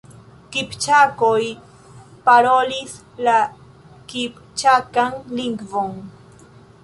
Kipĉakoj parolis la kipĉakan lingvon.